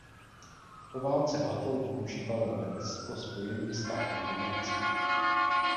Po válce atol využívalo Letectvo Spojených států amerických.